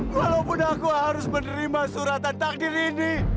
walaupun aku harus menerima suratan takdir ini